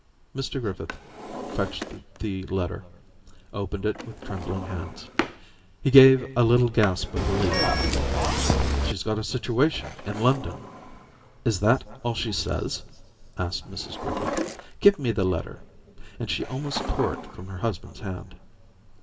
Mr Griffith fetched the letter, opened it with trembling hands. .*. He gave a little gasp of relief. * She's got a situation in London.' * Is that all she says?' asked Mrs Griffith. 'Give me the letter,' and she almost tore it from her husband's hand.